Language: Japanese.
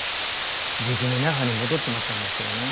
じきに那覇に戻っちまったんですけどね。